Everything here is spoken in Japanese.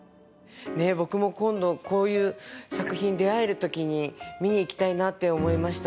僕も今度こういう作品に出会える時に見に行きたいなって思いました